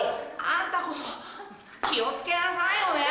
あんたこそ気を付けなさいよね！